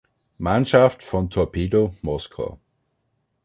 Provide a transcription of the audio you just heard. Mannschaft von Torpedo Moskau.